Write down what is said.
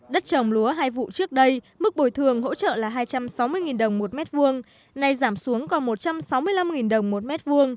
đất trồng lúa hai vụ trước đây mức bồi thường hỗ trợ là hai trăm sáu mươi đồng một m hai nay giảm xuống còn một trăm sáu mươi năm đồng một m hai